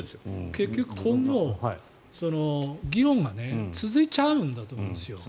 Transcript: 結局今後、議論が続いちゃうんだと思うんです。